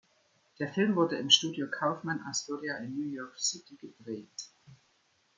Der Film wurde im Studio Kaufman-Astoria in New York City gedreht.